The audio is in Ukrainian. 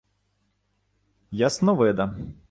— Ясновида.